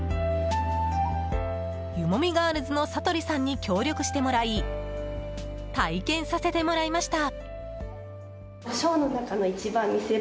ガールズの佐鳥さんに協力してもらい体験させてもらいました。